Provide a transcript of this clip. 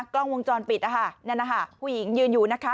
กล้องวงจรปิดนะคะนั่นนะคะผู้หญิงยืนอยู่นะคะ